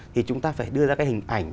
thì chúng ta phải đưa ra cái hình ảnh